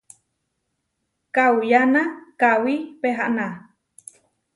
Kauyána kawí pehaná.